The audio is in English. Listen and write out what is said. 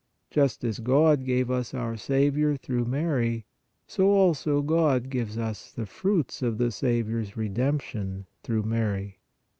Just as God gave us our Saviour through Mary, so also God gives us the fruits of the Saviour s Redemption through Mary.